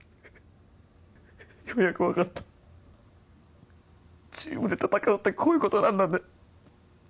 ようやく分かったチームで戦うってこういうことなんだね